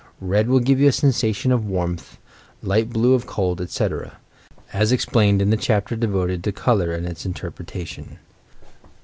Red will give you a sensation of warmth, light blue of cold, etc., — as explained in the chapter devoted to "Col our and Its Interpretation."